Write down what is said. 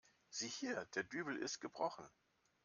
Sieh hier, der Dübel ist gebrochen.